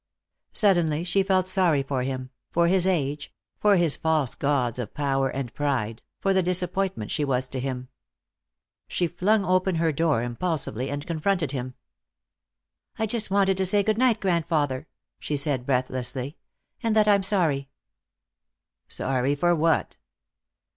Suddenly she felt sorry for him, for his age, for his false gods of power and pride, for the disappointment she was to him. She flung open her door impulsively and confronted him. "I just wanted to say good night, grandfather," she said breathlessly. "And that I am sorry." "Sorry for what?"